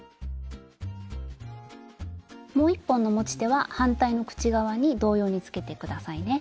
もう一本の持ち手は反対の口側に同様につけて下さいね。